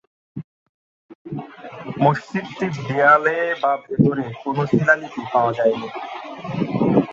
মসজিদটির দেয়ালে বা ভেতরে কোন শিলালিপি পাওয়া যায়নি।